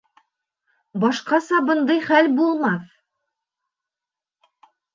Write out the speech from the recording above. Башҡаса бындай хәл булмаҫ!